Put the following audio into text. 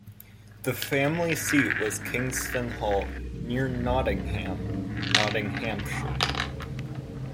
The family seat was Kingston Hall, near Nottingham, Nottinghamshire.